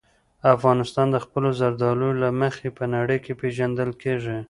افغانستان د خپلو زردالو له مخې په نړۍ کې پېژندل کېږي.